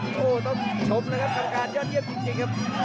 โอ้โหต้องชมเลยครับกรรมการยอดเยี่ยมจริงครับ